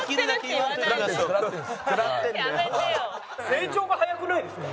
成長が早くないですか？